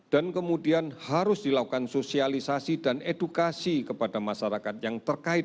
dan kemudian harus dilakukan sosialisasi dan edukasi kepada masyarakat yang terkait